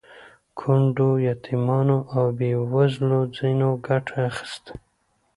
کونډو، یتیمانو او بې وزلو ځنې ګټه اخیستې.